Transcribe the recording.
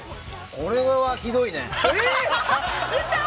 これはひどいね。